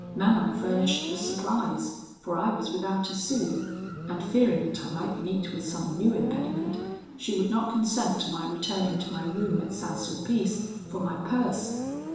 Manon furnished the supplies, for I was without a sou, and fearing that I might meet with some new impediment, she would not consent to my returning to my room at St. Sulpice for my purse.